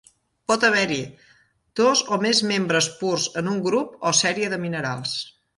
Pot haver-hi dos o més membres purs en un grup o sèrie de minerals.